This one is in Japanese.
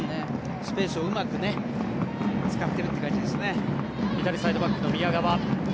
スペースをうまく使っているという感じですね。